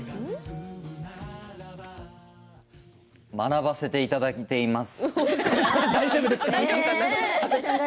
学ばせていただいています。